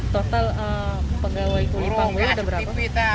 total penggawai kuli panggulnya ada berapa